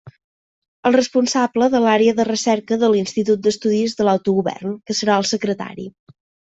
El responsable de l'Àrea de Recerca de l'Institut d'Estudis de l'Autogovern, que serà el secretari.